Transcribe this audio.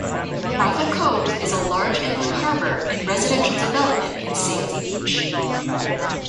Martha Cove is a large inland harbour and residential development in Safety Beach.